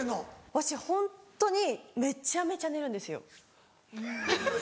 わしホントにめちゃめちゃ寝るんですよ。